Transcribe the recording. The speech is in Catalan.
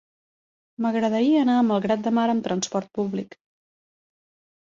M'agradaria anar a Malgrat de Mar amb trasport públic.